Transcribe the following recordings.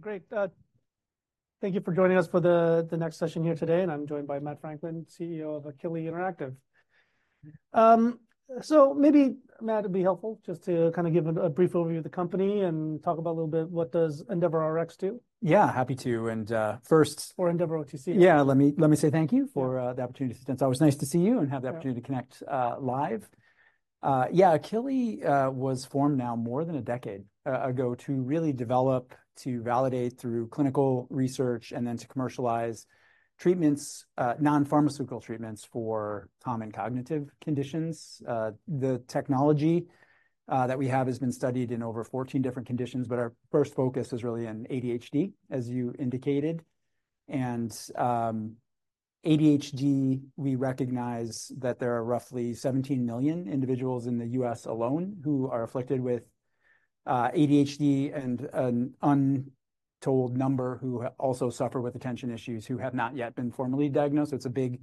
Great. Thank you for joining us for the next session here today, and I'm joined by Matt Franklin, CEO of Akili Interactive. So maybe, Matt, it'd be helpful just to kind of give a brief overview of the company and talk about a little bit what does EndeavorRx do? Yeah, happy to. And first. For EndeavorOTC. Yeah, let me say thank you for the opportunity to sit down. It's always nice to see you and have the opportunity to connect live. Yeah, Akili was formed now more than a decade ago to really develop, to validate through clinical research, and then to commercialize treatments, non-pharmaceutical treatments for common cognitive conditions. The technology that we have has been studied in over 14 different conditions, but our first focus is really on ADHD, as you indicated. And ADHD, we recognize that there are roughly 17 million individuals in the U.S. alone who are afflicted with ADHD, and an untold number who also suffer with attention issues who have not yet been formally diagnosed. So, it's a big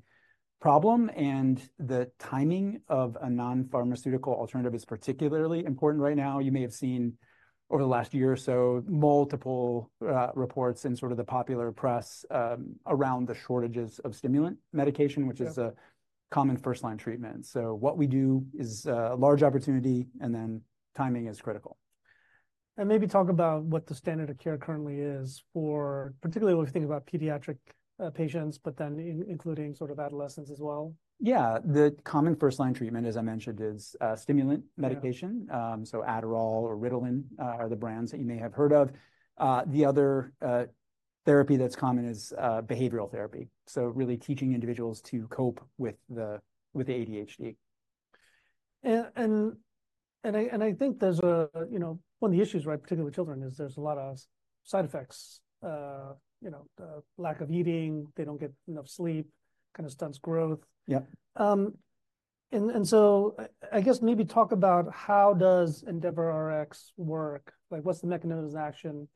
problem, and the timing of a non-pharmaceutical alternative is particularly important right now. You may have seen over the last year or so multiple reports in sort of the popular press around the shortages of stimulant medication, which is a common first-line treatment. What we do is a large opportunity, and then timing is critical. Maybe talk about what the standard of care currently is for particularly when we think about pediatric patients but then including sort of adolescents as well. Yeah, the common first-line treatment, as I mentioned, is stimulant medication. So, Adderall or Ritalin are the brands that you may have heard of. The other therapy that's common is behavioral therapy, so really teaching individuals to cope with the ADHD. I think there's a, you know, one of the issues, right, particularly with children, is there's a lot of side effects. You know, lack of eating, they don't get enough sleep, kind of stunts growth. So, I guess maybe talk about how does EndeavorRx work? Like, what's the mechanism of action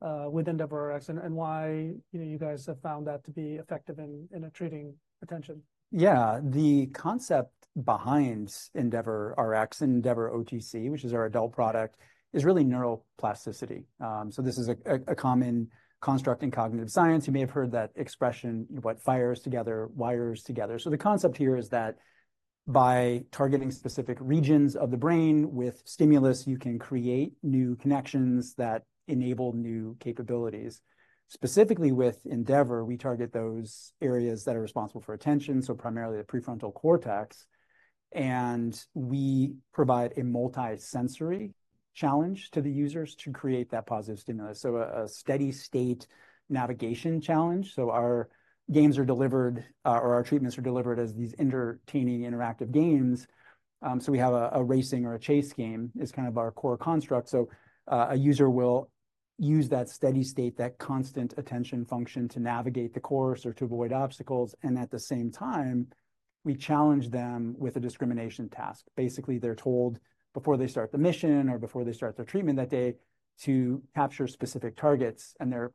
with EndeavorRx, and why, you know, you guys have found that to be effective in treating attention? Yeah, the concept behind EndeavorRx and EndeavorOTC, which is our adult product, is really neuroplasticity. So, this is a common construct in cognitive science. You may have heard that expression, you know, what fires together, wires together. So, the concept here is that by targeting specific regions of the brain with stimulus, you can create new connections that enable new capabilities. Specifically with Endeavor, we target those areas that are responsible for attention, so primarily the prefrontal cortex. And we provide a multi-sensory challenge to the users to create that positive stimulus, so a steady state navigation challenge. So, our games are delivered, or our treatments are delivered as these entertaining interactive games. So, we have a racing or a chase game is kind of our core construct. So, a user will use that steady state, that constant attention function to navigate the course or to avoid obstacles. At the same time, we challenge them with a discrimination task. Basically, they're told before they start the mission or before they start their treatment that day to capture specific targets, and their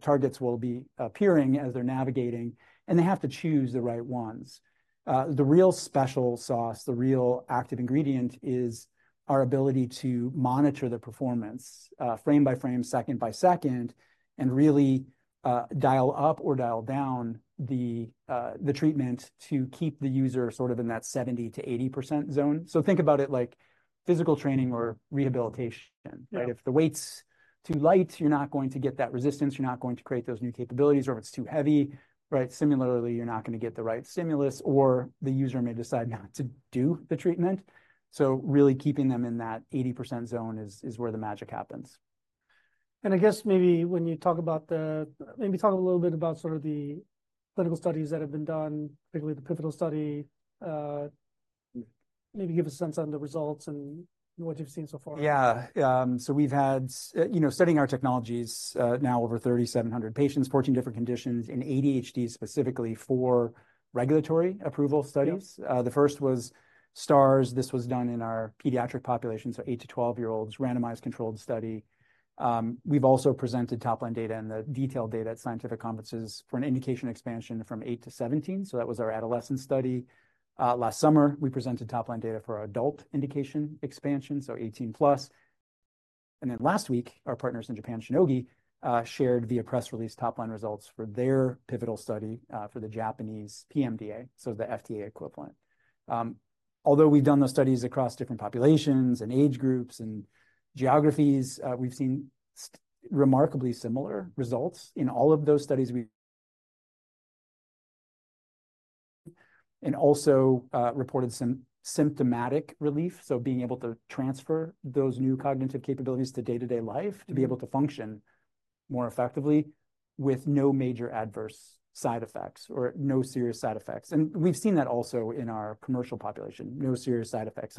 targets will be appearing as they're navigating, and they have to choose the right ones. The real special sauce, the real active ingredient is our ability to monitor the performance frame by frame, second by second, and really dial up or dial down the treatment to keep the user sort of in that 70%-80% zone. So think about it like physical training or rehabilitation, right? If the weight's too light, you're not going to get that resistance. You're not going to create those new capabilities, or if it's too heavy, right? Similarly, you're not going to get the right stimulus, or the user may decide not to do the treatment. Really keeping them in that 80% zone is where the magic happens. I guess maybe when you talk about the, maybe talk a little bit about sort of the clinical studies that have been done, particularly the Pivotal study. Maybe give us a sense on the results and what you've seen so far. Yeah. So we've had, you know, studying our technologies now over 3,700 patients porting different conditions in ADHD, specifically for regulatory approval studies. The first was STARS. This was done in our pediatric population, so 8-12-year-olds, randomized controlled study. We've also presented topline data and the detailed data at scientific conferences for an indication expansion from 8-17. So that was our adolescent study. Last summer, we presented topline data for adult indication expansion, so 18+. And then last week, our partners in Japan, Shionogi, shared via press release topline results for their pivotal study for the Japanese PMDA, so the FDA equivalent. Although we've done those studies across different populations and age groups and geographies, we've seen remarkably similar results in all of those studies. Also reported some symptomatic relief, so being able to transfer those new cognitive capabilities to day-to-day life to be able to function more effectively with no major adverse side effects or no serious side effects. We've seen that also in our commercial population, no serious side effects.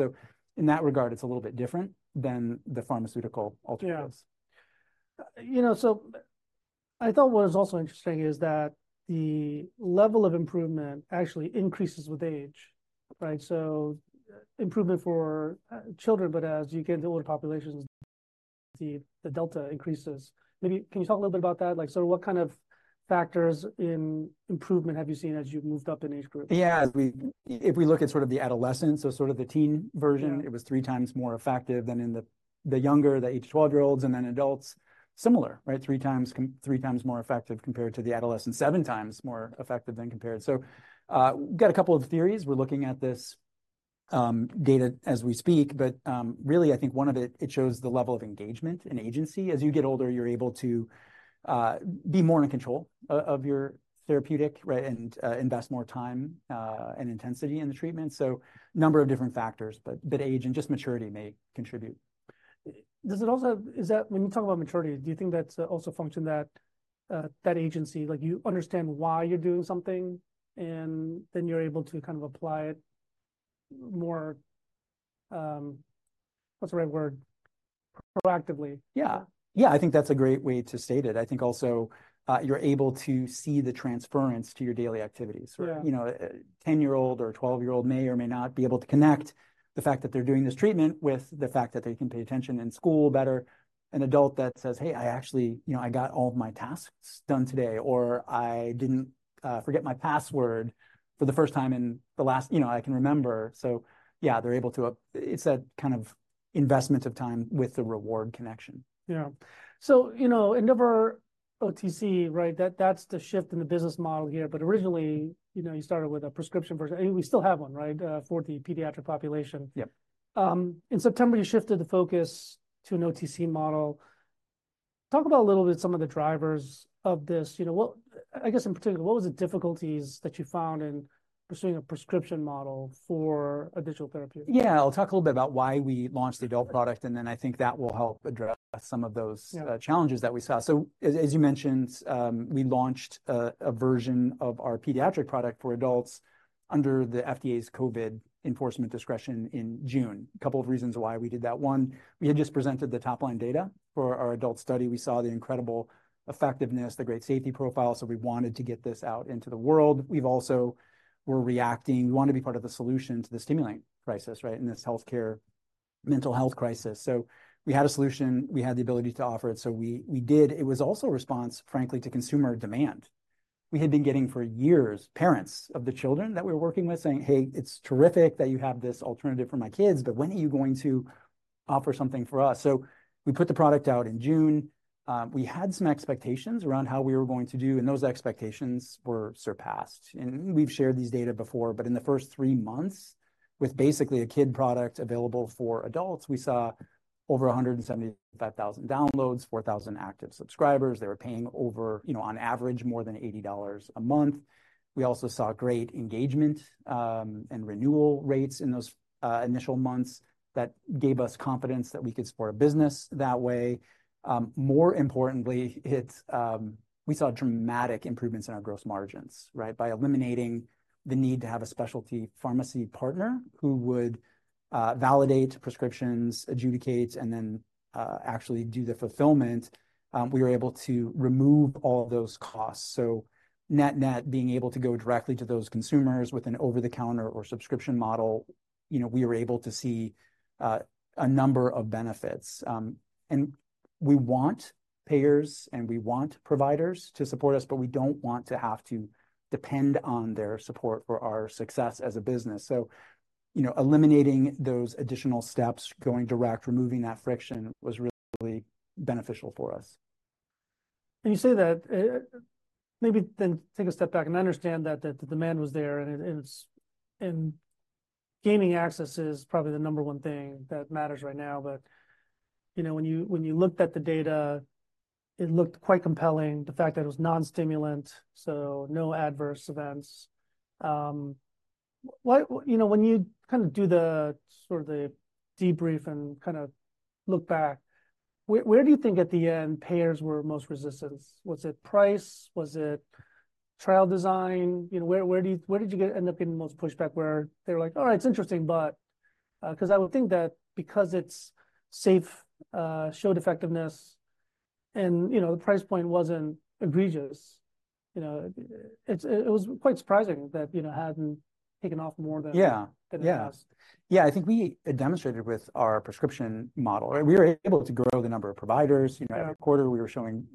In that regard, it's a little bit different than the pharmaceutical alternatives. You know, so I thought what was also interesting is that the level of improvement actually increases with age, right? So improvement for children, but as you get into older populations, the delta increases. Maybe can you talk a little bit about that? Like, so what kind of factors in improvement have you seen as you've moved up in age group? Yeah, as we, if we look at sort of the adolescent, so sort of the teen version, it was 3 times more effective than in the younger, the 8-12-year-olds, and then adults, similar, right? 3 times, 3 times more effective compared to the adolescent, 7 times more effective than compared. So, we've got a couple of theories. We're looking at this data as we speak. But really, I think one of it, it shows the level of engagement and agency. As you get older, you're able to be more in control of your therapeutic, right, and invest more time and intensity in the treatment. So, number of different factors, but age and just maturity may contribute. Does it also, is that when you talk about maturity, do you think that also function that agency, like you understand why you're doing something, and then you're able to kind of apply it more? What's the right word? Proactively. Yeah, yeah, I think that's a great way to state it. I think also you're able to see the transference to your daily activities. You know, a 10-year-old or a 12-year-old may or may not be able to connect the fact that they're doing this treatment with the fact that they can pay attention in school better. An adult that says, "Hey, I actually, you know, I got all of my tasks done today," or "I didn't forget my password for the first time in the last, you know, I can remember." So yeah, they're able to, it's that kind of investment of time with the reward connection. Yeah. So, you know, Endeavor OTC, right? That's the shift in the business model here. But originally, you know, you started with a prescription version, and we still have one, right, for the pediatric population. In September, you shifted the focus to an OTC model. Talk about a little bit some of the drivers of this, you know, what I guess in particular, what were the difficulties that you found in pursuing a prescription model for a digital therapy? Yeah, I'll talk a little bit about why we launched the adult product, and then I think that will help address some of those challenges that we saw. So, as you mentioned, we launched a version of our pediatric product for adults under the FDA's COVID Enforcement Discretion in June. A couple of reasons why we did that. One, we had just presented the topline data for our adult study. We saw the incredible effectiveness, the great safety profile. So, we wanted to get this out into the world. We've also reacted. We want to be part of the solution to the stimulant crisis, right, in this healthcare, mental health crisis. So, we had a solution. We had the ability to offer it. So, we did. It was also a response, frankly, to consumer demand. We had been getting for years parents of the children that we were working with saying, "Hey, it's terrific that you have this alternative for my kids, but when are you going to offer something for us?" So we put the product out in June. We had some expectations around how we were going to do, and those expectations were surpassed. And we've shared these data before, but in the first 3 months with basically a kid product available for adults, we saw over 175,000 downloads, 4,000 active subscribers. They were paying over, you know, on average, more than $80 a month. We also saw great engagement and renewal rates in those initial months that gave us confidence that we could support a business that way. More importantly, we saw dramatic improvements in our gross margins, right, by eliminating the need to have a specialty pharmacy partner who would validate prescriptions, adjudicate, and then actually do the fulfillment. We were able to remove all of those costs. So net-net, being able to go directly to those consumers with an over-the-counter or subscription model, you know, we were able to see a number of benefits. And we want payers, and we want providers to support us, but we don't want to have to depend on their support for our success as a business. So, you know, eliminating those additional steps, going direct, removing that friction was really beneficial for us. You say that maybe then take a step back and understand that the demand was there, and gaming access is probably the number one thing that matters right now. But, you know, when you looked at the data, it looked quite compelling, the fact that it was non-stimulant, so no adverse events. Why, you know, when you kind of do the sort of the debrief and kind of look back, where do you think at the end payers were most resistant? Was it price? Was it trial design? You know, where do you, where did you end up getting the most pushback where they were like, "All right, it's interesting," but because I would think that because it's safe, showed effectiveness, and you know, the price point wasn't egregious. You know, it was quite surprising that, you know, hadn't taken off more than it has. Yeah, yeah, I think we demonstrated with our prescription model, right? We were able to grow the number of providers. You know, every quarter we were showing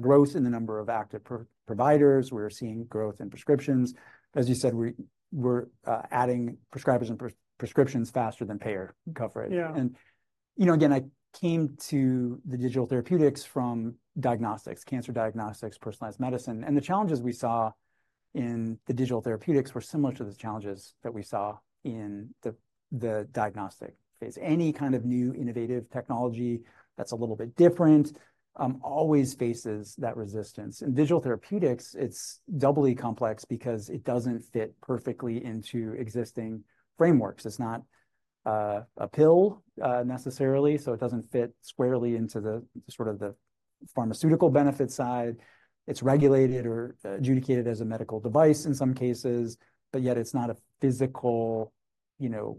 growth in the number of active providers. We were seeing growth in prescriptions. As you said, we were adding prescribers and prescriptions faster than payer coverage. And, you know, again, I came to the digital therapeutics from diagnostics, cancer diagnostics, personalized medicine, and the challenges we saw in the digital therapeutics were similar to the challenges that we saw in the diagnostic phase. Any kind of new innovative technology that's a little bit different always faces that resistance. In digital therapeutics, it's doubly complex because it doesn't fit perfectly into existing frameworks. It's not a pill necessarily, so it doesn't fit squarely into the sort of the pharmaceutical benefit side. It's regulated or adjudicated as a medical device in some cases, but yet it's not a physical, you know,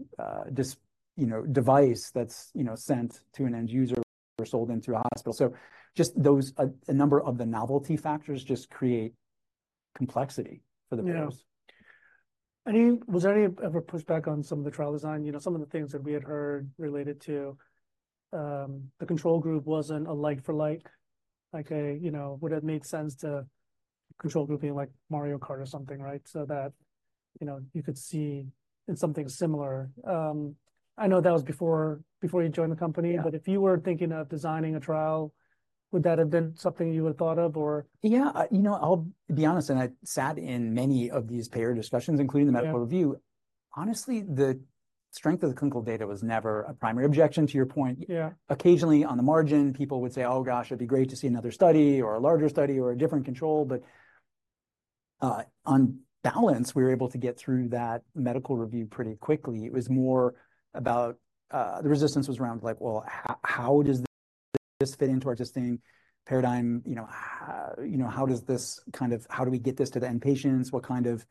you know, device that's, you know, sent to an end user or sold into a hospital. So just those, a number of the novelty factors just create complexity for the payers. Any, was there any ever pushback on some of the trial design? You know, some of the things that we had heard related to the control group wasn't a like for like, like a, you know, would it make sense to control group being like Mario Kart or something, right? So that, you know, you could see in something similar. I know that was before, before you joined the company, but if you were thinking of designing a trial, would that have been something you would have thought of, or? Yeah, you know, I'll be honest, and I sat in many of these payer discussions, including the medical review. Honestly, the strength of the clinical data was never a primary objection, to your point. Yeah, occasionally on the margin, people would say, "Oh gosh, it'd be great to see another study or a larger study or a different control." But on balance, we were able to get through that medical review pretty quickly. It was more about the resistance was around like, "Well, how does this fit into our existing paradigm?" You know, you know, how does this kind of, how do we get this to the end patients? What kind of,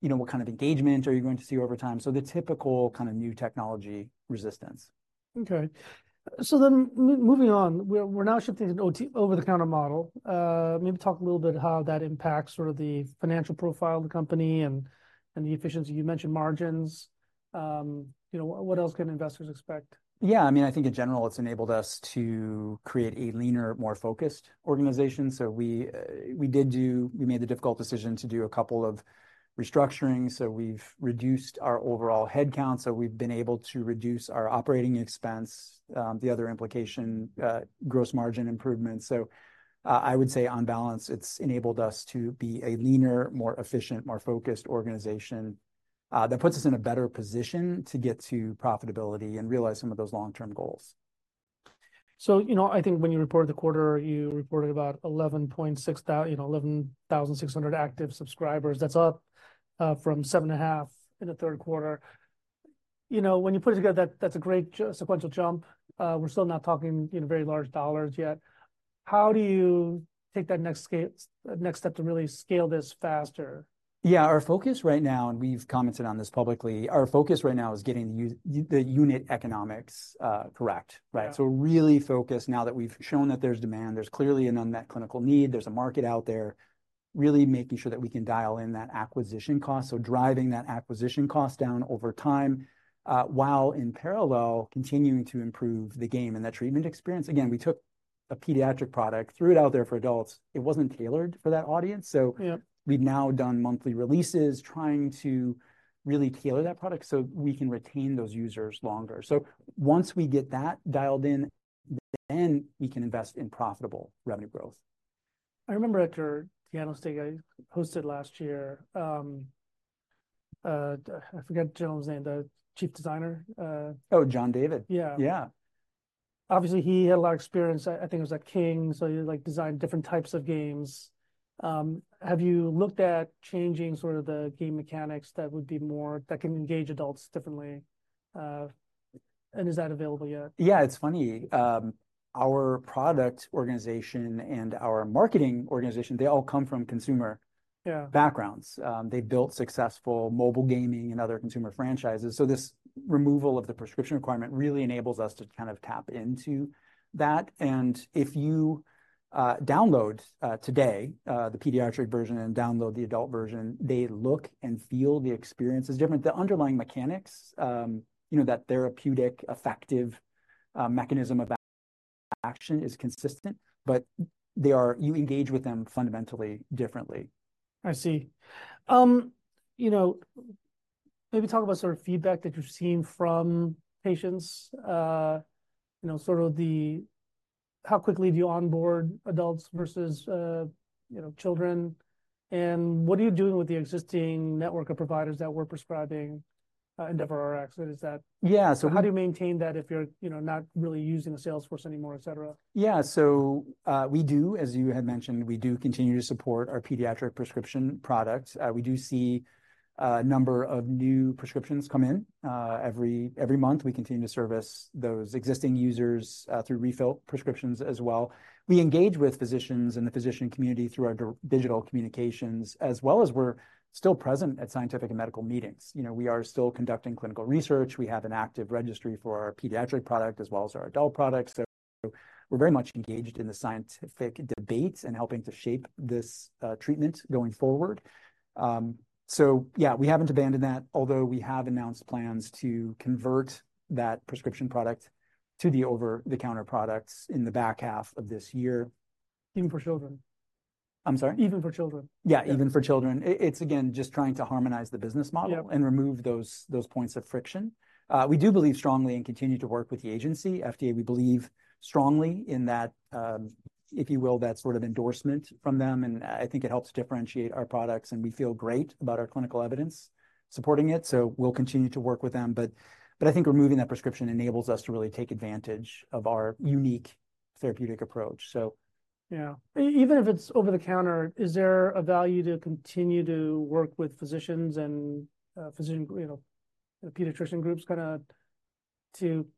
you know, what kind of engagement are you going to see over time? So, the typical kind of new technology resistance. Okay, so then moving on, we're now shifting to an over-the-counter model. Maybe talk a little bit how that impacts sort of the financial profile of the company and the efficiency. You mentioned margins. You know, what else can investors expect? Yeah, I mean, I think in general, it's enabled us to create a leaner, more focused organization. So, we did do, we made the difficult decision to do a couple of restructurings. So, we've reduced our overall headcount. So, we've been able to reduce our operating expense. The other implication, gross margin improvements. So, I would say on balance, it's enabled us to be a leaner, more efficient, more focused organization that puts us in a better position to get to profitability and realize some of those long-term goals. So, you know, I think when you reported the quarter, you reported about 11.6, you know, 11,600 active subscribers. That's up from 7.5 in the third quarter. You know, when you put it together, that's a great sequential jump. We're still not talking, you know, very large dollars yet. How do you take that next step to really scale this faster? Yeah, our focus right now, and we've commented on this publicly, our focus right now is getting the unit economics correct, right? So really focus now that we've shown that there's demand, there's clearly an unmet clinical need, there's a market out there, really making sure that we can dial in that acquisition cost. So, driving that acquisition cost down over time, while in parallel continuing to improve the game and that treatment experience. Again, we took a pediatric product, threw it out there for adults. It wasn't tailored for that audience. So, we've now done monthly releases, trying to really tailor that product so we can retain those users longer. So, once we get that dialed in, then we can invest in profitable revenue growth. I remember at your piano stage I hosted last year. I forget the chief designer. Oh, Jon David. Yeah, yeah. Obviously, he had a lot of experience. I think it was at King, so he like designed different types of games. Have you looked at changing sort of the game mechanics that would be more that can engage adults differently? And is that available yet? Yeah, it's funny. Our product organization and our marketing organization, they all come from consumer backgrounds. They built successful mobile gaming and other consumer franchises. So, this removal of the prescription requirement really enables us to kind of tap into that. And if you download today the pediatric version and download the adult version, they look and feel the experience is different. The underlying mechanics, you know, that therapeutic effective mechanism of action is consistent, but they are. You engage with them fundamentally differently. I see. You know, maybe talk about sort of feedback that you've seen from patients. You know, sort of the how quickly do you onboard adults versus, you know, children? And what are you doing with the existing network of providers that we're prescribing? EndeavorRx, is that? Yeah. How do you maintain that if you're, you know, not really using a Salesforce anymore, etc.? Yeah, so we do, as you had mentioned, we do continue to support our pediatric prescription products. We do see a number of new prescriptions come in every month. We continue to service those existing users through refill prescriptions as well. We engage with physicians and the physician community through our digital communications, as well as we're still present at scientific and medical meetings. You know, we are still conducting clinical research. We have an active registry for our pediatric product as well as our adult products. So, we're very much engaged in the scientific debate and helping to shape this treatment going forward. So yeah, we haven't abandoned that, although we have announced plans to convert that prescription product to the over-the-counter products in the back half of this year. Even for children. I'm sorry, even for children. Yeah, even for children. It's again just trying to harmonize the business model and remove those points of friction. We do believe strongly and continue to work with the agency FDA. We believe strongly in that, if you will, that sort of endorsement from them. And I think it helps differentiate our products, and we feel great about our clinical evidence supporting it. So, we'll continue to work with them. But I think removing that prescription enables us to really take advantage of our unique therapeutic approach. So yeah, even if it's over the counter, is there a value to continue to work with physicians and physician, you know, pediatrician groups kind of to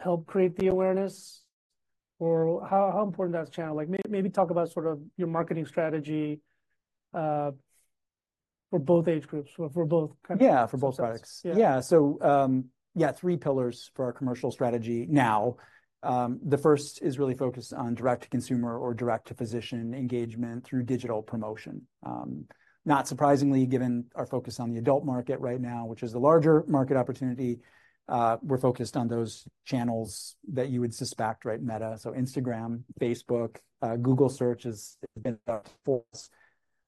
help create the awareness? Or how important that's channeled? Like, maybe talk about sort of your marketing strategy for both age groups, for kind of. Yeah, for both products. Yeah. So yeah, three pillars for our commercial strategy. Now, the first is really focused on direct to consumer or direct to physician engagement through digital promotion. Not surprisingly, given our focus on the adult market right now, which is the larger market opportunity, we're focused on those channels that you would suspect, right? Meta, so Instagram, Facebook, Google search has been our focus.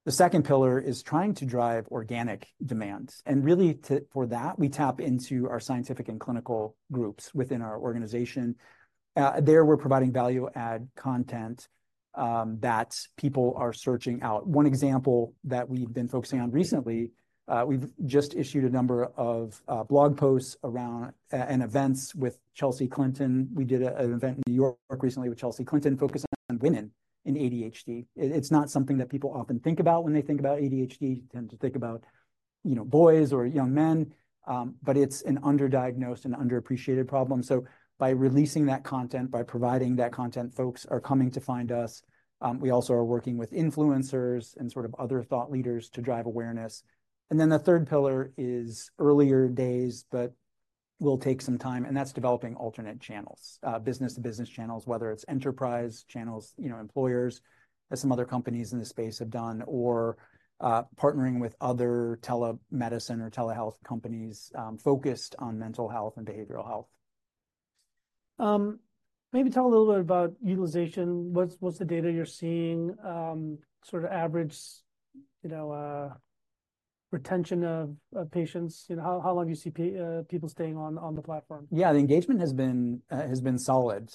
The second pillar is trying to drive organic demand. And really, for that, we tap into our scientific and clinical groups within our organization. There we're providing value-add content that people are searching out. One example that we've been focusing on recently, we've just issued a number of blog posts around events with Chelsea Clinton. We did an event in New York recently with Chelsea Clinton focused on women in ADHD. It's not something that people often think about when they think about ADHD, tend to think about, you know, boys or young men. But it's an underdiagnosed and underappreciated problem. So, by releasing that content, by providing that content, folks are coming to find us. We also are working with influencers and sort of other thought leaders to drive awareness. And then the third pillar is earlier days, but we'll take some time, and that's developing alternate channels, business to business channels, whether it's enterprise channels, you know, employers, as some other companies in the space have done, or partnering with other telemedicine or telehealth companies focused on mental health and behavioral health. Maybe talk a little bit about utilization. What's the data you're seeing? Sort of average, you know, retention of patients, you know, how long do you see people staying on the platform? Yeah, the engagement has been solid.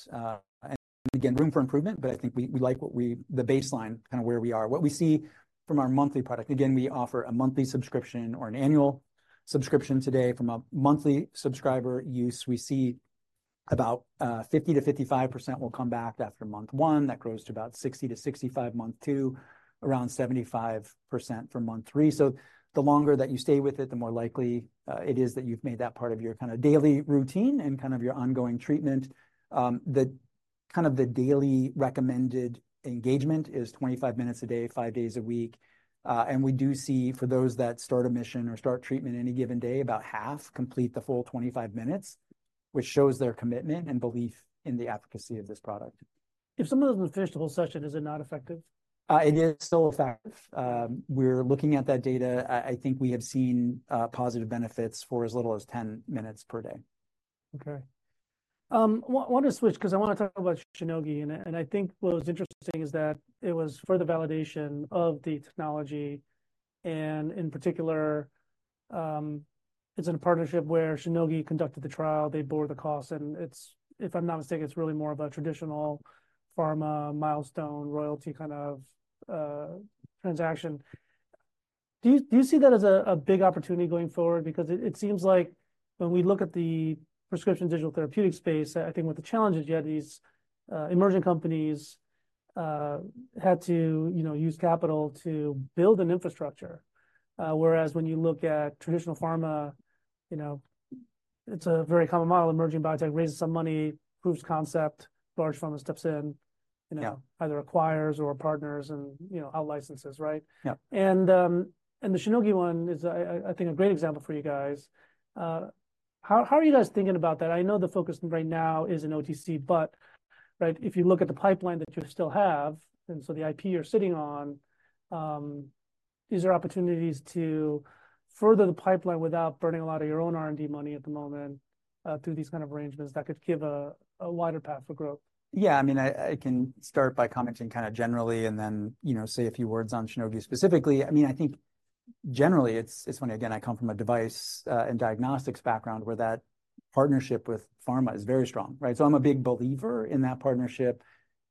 Again, room for improvement. But I think we like what we, the baseline, kind of where we are, what we see from our monthly product. Again, we offer a monthly subscription or an annual subscription. Today, from a monthly subscriber use, we see about 50%-55% will come back after month one. That grows to about 60%-65% month two, around 75% from month three. So, the longer that you stay with it, the more likely it is that you've made that part of your kind of daily routine and kind of your ongoing treatment. The kind of the daily recommended engagement is 25 minutes a day, 5 days a week. We do see for those that start a mission or start treatment any given day, about half complete the full 25 minutes, which shows their commitment and belief in the efficacy of this product. If someone doesn't finish the whole session, is it not effective? It is still effective. We're looking at that data. I think we have seen positive benefits for as little as 10 minutes per day. Okay. I want to switch because I want to talk about Shionogi. I think what was interesting is that it was for the validation of the technology. In particular, it's in a partnership where Shionogi conducted the trial. They bore the cost. And it's, if I'm not mistaken, it's really more of a traditional pharma milestone royalty kind of transaction. Do you see that as a big opportunity going forward? Because it seems like when we look at the prescription digital therapeutic space, I think what the challenge is, you had these emerging companies had to, you know, use capital to build an infrastructure. Whereas when you look at traditional pharma, you know, it's a very common model. Emerging biotech raises some money, proves concept, large pharma steps in, you know, either acquires or partners and, you know, out licenses, right? The Shionogi one is, I think, a great example for you guys. How are you guys thinking about that? I know the focus right now is in OTC, but right, if you look at the pipeline that you still have, and so the IP you're sitting on, these are opportunities to further the pipeline without burning a lot of your own R&D money at the moment through these kind of arrangements that could give a wider path for growth. Yeah, I mean, I can start by commenting kind of generally, and then, you know, say a few words on Shionogi specifically. I mean, I think generally, it's funny, again, I come from a device and diagnostics background where that partnership with pharma is very strong, right? So, I'm a big believer in that partnership.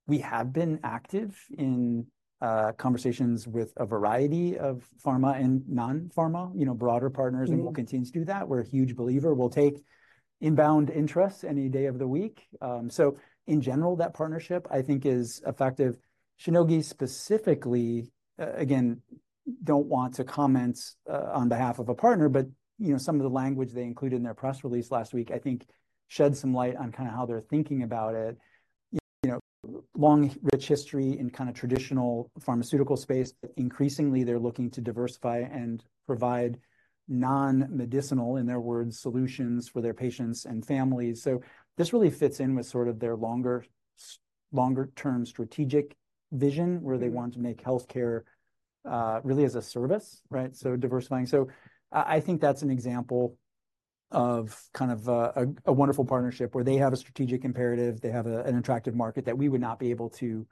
We have been active in conversations with a variety of pharma and non-pharma, you know, broader partners, and we'll continue to do that. We're a huge believer. We'll take inbound interests any day of the week. So, in general, that partnership I think is effective. Shionogi specifically, again, don't want to comment on behalf of a partner, but you know, some of the language they included in their press release last week, I think, shed some light on kind of how they're thinking about it. You know, long, rich history in kind of traditional pharmaceutical space, but increasingly they're looking to diversify and provide non-medicinal, in their words, solutions for their patients and families. So, this really fits in with sort of their longer, longer-term strategic vision, where they want to make healthcare really as a service, right? So, diversifying. So, I think that's an example of kind of a wonderful partnership where they have a strategic imperative. They have an attractive market that we would not be able to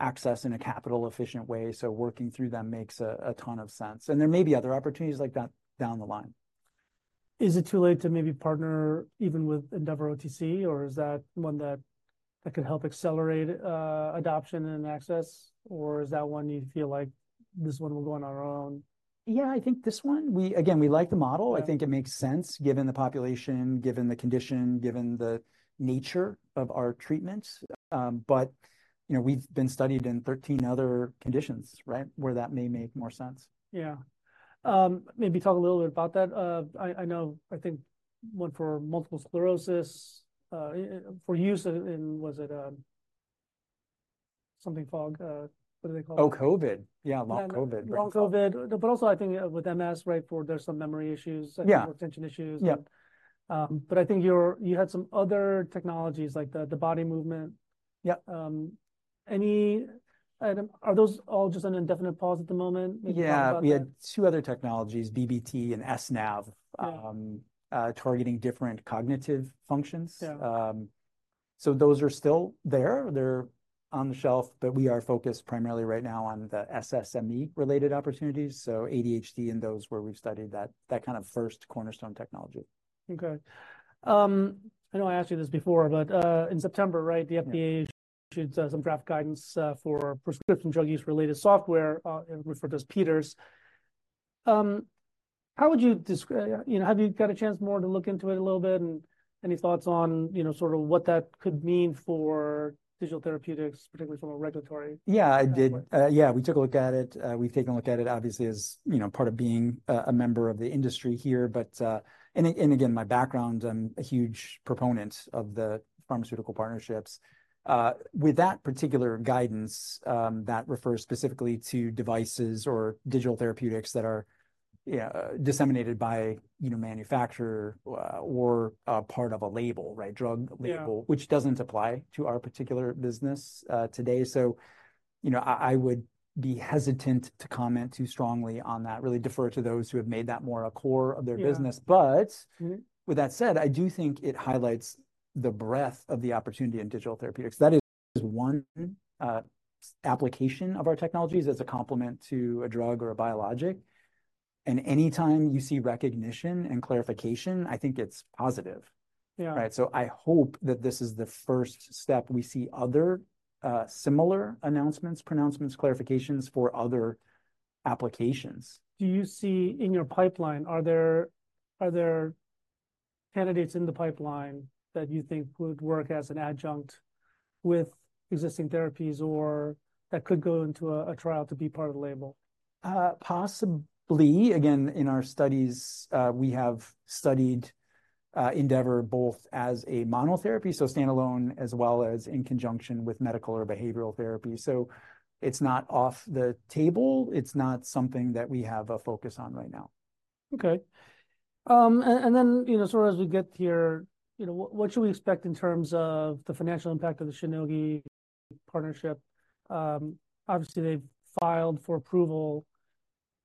access in a capital-efficient way. So, working through them makes a ton of sense. And there may be other opportunities like that down the line. Is it too late to maybe partner even with EndeavorOTC, or is that one that could help accelerate adoption and access? Or is that one you feel like this one will go on our own? Yeah, I think this one, again, we like the model. I think it makes sense, given the population, given the condition, given the nature of our treatments. But you know, we've been studied in 13 other conditions, right, where that may make more sense. Yeah. Maybe talk a little bit about that. I know, I think one for multiple sclerosis, for use in, was it something fog? What do they call it? Oh, COVID. Yeah, Long COVID. Long COVID. But also I think with MS, right, for there's some memory issues, attention issues. But I think you had some other technologies like the body movement. Any item? Are those all just an indefinite pause at the moment? Yeah, we had two other technologies, BBT and SNAV, targeting different cognitive functions. So those are still there. They're on the shelf, but we are focused primarily right now on the SSME-related opportunities. So, ADHD and those where we've studied that kind of first cornerstone technology. Okay. I know I asked you this before, but in September, right, the FDA issued some PDURS guidance for prescription drug use-related software, referred to as PDURS. How would you describe, you know, have you got a chance more to look into it a little bit and any thoughts on, you know, sort of what that could mean for digital therapeutics, particularly from a regulatory? Yeah, I did. Yeah, we took a look at it. We've taken a look at it, obviously, as you know, part of being a member of the industry here. But, and again, my background, I'm a huge proponent of the pharmaceutical partnerships. With that particular guidance that refers specifically to devices or digital therapeutics that are, you know, disseminated by, you know, manufacturer or part of a label, right, drug label, which doesn't apply to our particular business today. So, you know, I would be hesitant to comment too strongly on that, really defer to those who have made that more a core of their business. But with that said, I do think it highlights the breadth of the opportunity in digital therapeutics. That is one application of our technologies as a complement to a drug or a biologic. And anytime you see recognition and clarification, I think it's positive. Yeah, right. So I hope that this is the first step. We see other similar announcements, pronouncements, clarifications for other applications. Do you see in your pipeline, are there candidates in the pipeline that you think would work as an adjunct with existing therapies, or that could go into a trial to be part of the label? Possibly again, in our studies, we have studied Endeavor both as a monotherapy, so standalone, as well as in conjunction with medical or behavioral therapy. So, it's not off the table. It's not something that we have a focus on right now. Okay. Then, you know, sort of as we get here, you know, what should we expect in terms of the financial impact of the Shionogi partnership? Obviously, they've filed for approval.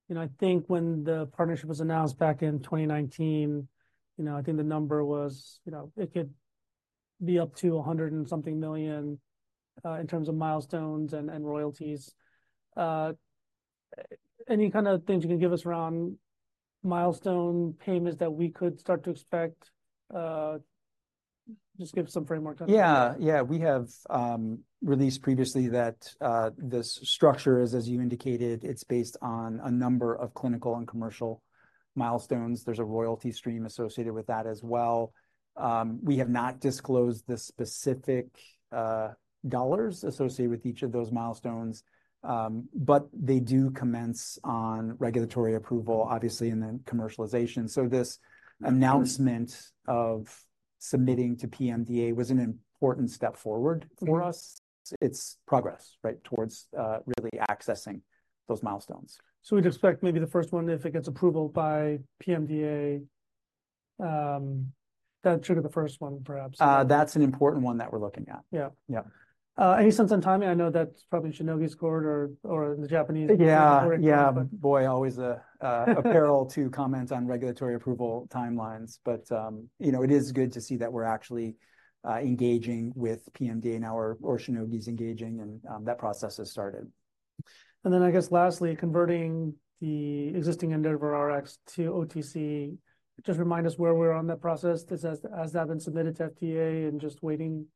You know, I think when the partnership was announced back in 2019, you know, I think the number was, you know, it could be up to $100-something million in terms of milestones and royalties. Any kind of things you can give us around milestone payments that we could start to expect? Just give some framework. Yeah, yeah, we have released previously that this structure is, as you indicated, it's based on a number of clinical and commercial milestones. There's a royalty stream associated with that as well. We have not disclosed the specific dollars associated with each of those milestones. But they do commence on regulatory approval, obviously, and then commercialization. So, this announcement of submitting to PMDA was an important step forward for us. It's progress, right, towards really accessing those milestones. We'd expect maybe the first one, if it gets approval by PMDA, that triggered the first one, perhaps. That's an important one that we're looking at. Yeah, yeah. Any sense on timing? I know that's probably Shionogi's call or the Japanese. Yeah, yeah, boy, always a peril to comment on regulatory approval timelines. But you know, it is good to see that we're actually engaging with PMDA now, or Shionogi's engaging, and that process has started. And then, I guess, lastly, converting the existing EndeavorRx to OTC. Just remind us where we're on that process. Has that been submitted to FDA and just waiting?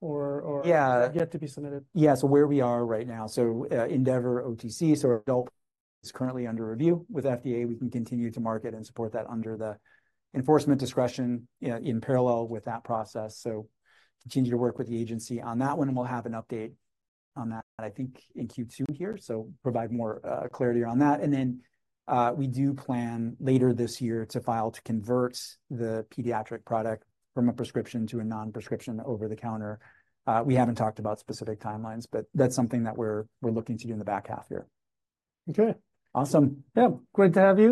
Or yet to be submitted? Yeah, so where we are right now, so EndeavorOTC, so adult is currently under review with FDA. We can continue to market and support that under the enforcement discretion in parallel with that process. So, continue to work with the agency on that one, and we'll have an update on that, I think, in Q2 here. So, provide more clarity around that. And then we do plan later this year to file to convert the pediatric product from a prescription to a non-prescription over the counter. We haven't talked about specific timelines, but that's something that we're looking to do in the back half here. Okay, awesome. Yeah, great to have you.